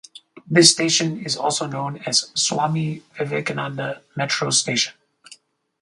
This station is also known as "Swami Vivekananda metro station".